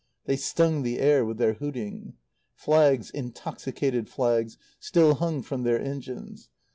They stung the air with their hooting. Flags, intoxicated flags, still hung from their engines.